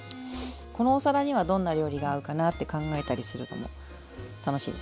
このお皿にはどんな料理が合うかなって考えたりするのも楽しいですよ。